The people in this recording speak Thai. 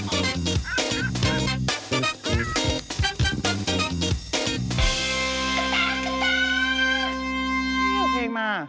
เอาเพลงมา